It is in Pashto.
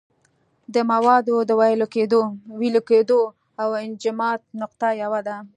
د موادو د ویلې کېدو او انجماد نقطه یوه ده.